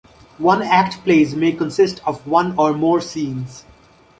One-act plays may consist of one or more scenes.